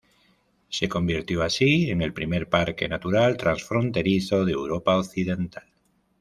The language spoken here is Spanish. Se convirtió así en el primer parque natural transfronterizo de Europa occidental.